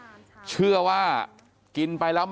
อยู่ดีมาตายแบบเปลือยคาห้องน้ำได้ยังไง